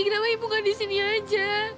kenapa ibu gak disini aja